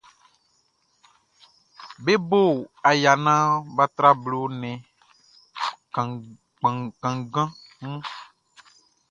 Be bo aya naan bʼa tra blo nnɛn kanngan mun.